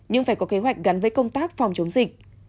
nhưng phải có kế hoạch gắn với công tác phòng chống dịch